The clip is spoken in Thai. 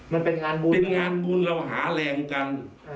มันเป็นงานบุญเป็นงานบุญเราหาแรงกัน